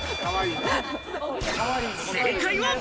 正解は。